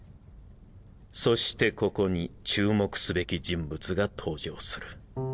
そしてここに注目すべき人物が登場する。